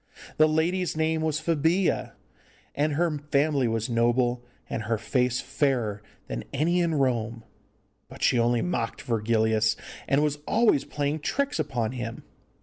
The lady's name was Febilla, and her family was noble, and her face fairer than any in Rome, but she only mocked Virgilius, and was always playing tricks upon him.